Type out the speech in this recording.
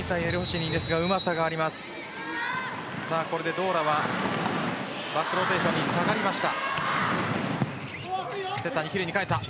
ドーラはバックローテーションに下がりました。